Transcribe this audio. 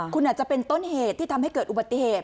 คุณอาจจะเป็นต้นเหตุที่ทำให้เกิดอุบัติเหตุ